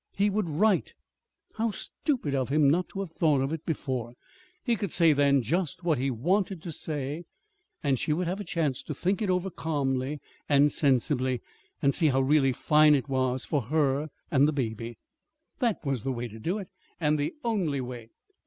He would write. How stupid of him not to have thought of it before! He could say, then, just what he wanted to say, and she would have a chance to think it over calmly and sensibly, and see how really fine it was for her and the baby. That was the way to do it, and the only way.